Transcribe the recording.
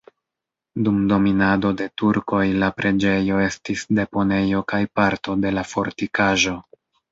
Dum dominado de turkoj la preĝejo estis deponejo kaj parto de la fortikaĵo.